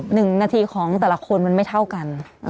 หนึ่งนาทีของแต่ละคนมันไม่เท่ากัน